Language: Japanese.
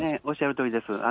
おっしゃるとおりです。